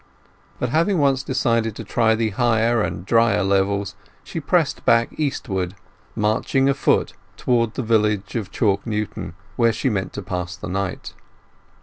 But having once decided to try the higher and drier levels, she pressed back eastward, marching afoot towards the village of Chalk Newton, where she meant to pass the night.